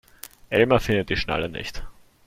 Elmar findet die Schnalle nicht.